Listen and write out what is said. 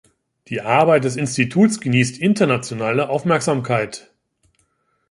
Die Arbeit des Instituts genießt internationale Aufmerksamkeit.